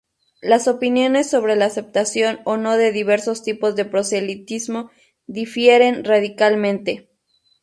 Las opiniones sobre la aceptación o no de diversos tipos de proselitismo difieren radicalmente.